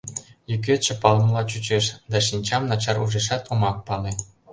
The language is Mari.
— Йӱкетше палымыла чучеш, да шинчам начар ужешат, омак пале.